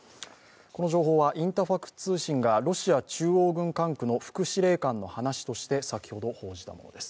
この情報はインタファクス通信がロシア中央軍部の副司令官の話として先ほど、報じたものです。